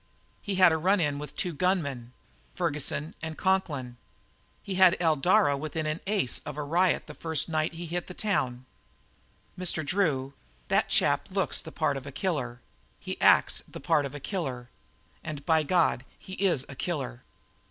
He had a run in with two gunmen, Ferguson and Conklin. He had Eldara within an ace of a riot the first night he hit the town. Mr. Drew, that chap looks the part of a killer; he acts the part of a killer; and by God, he is a killer."